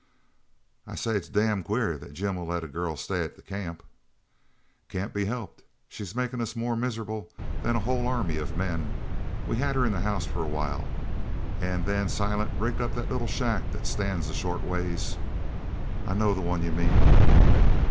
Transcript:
"I say it's damn queer that Jim'll let a girl stay at the camp." "Can't be helped. She's makin' us more miserable than a whole army of men. We had her in the house for a while, an' then Silent rigged up the little shack that stands a short ways " "I know the one you mean."